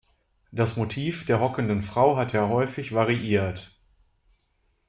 Das Motiv der hockenden Frau hat er häufig variiert.